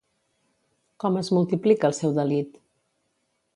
Com es multiplica el seu delit?